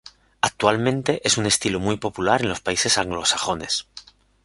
Actualmente es un estilo muy popular en los países anglosajones.